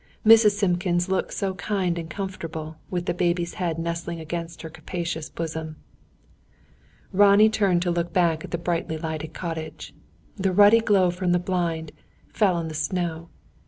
Mrs. Simpkins looked so kind and comfortable, with the baby's head nestling against her capacious bosom. Ronnie turned to look back at the brightly lighted cottage. The ruddy glow from the blind, fell on the snow.